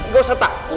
gak usah takut